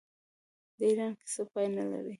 د ایران کیسه پای نلري.